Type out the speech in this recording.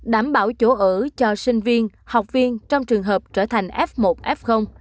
đảm bảo chỗ ở cho sinh viên học viên trong trường hợp trở thành f một f